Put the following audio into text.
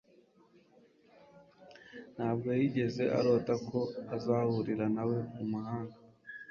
Ntabwo yigeze arota ko azahurira nawe mumahanga